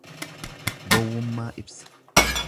Gowwummaa ibsa.